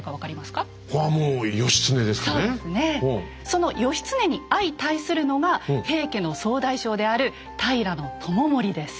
その義経に相対するのが平家の総大将である平知盛です。